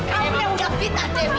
kamu yang udah pintar dewa